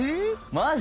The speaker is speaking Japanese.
マジ？